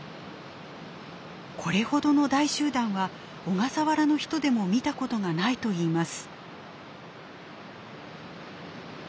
これほどの大集団は小笠原の人でも見たことがないといいます。